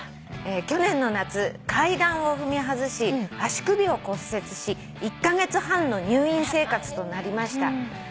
「去年の夏階段を踏み外し足首を骨折し１カ月半の入院生活となりました」